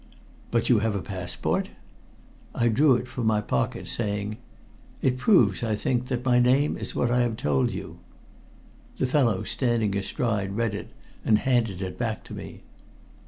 "But you have a passport?" I drew it from my pocket, saying "It proves, I think, that my name is what I have told you." The fellow, standing astride, read it, and handed it back to me.